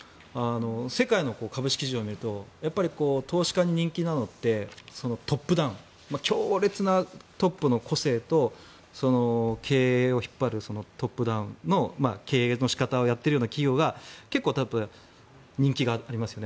世界の株式市場を見ると投資家に人気なのってトップダウン強烈なトップの個性と経営を引っ張るトップダウンの経営の仕方をやっているような企業が結構、人気がありますよね。